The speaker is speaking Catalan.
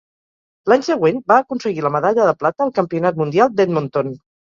L'any següent, va aconseguir la medalla de plata al Campionat Mundial d'Edmonton.